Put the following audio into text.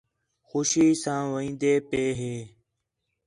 خوشی ساں وین٘دے پئے ہے